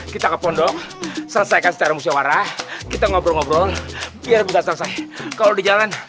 kita ke pondok selesaikan secara musyawarah kita ngobrol ngobrol biar buka selesai kalau di jalan